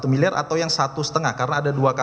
satu miliar atau yang satu lima karena ada dua